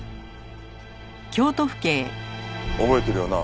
覚えてるよな？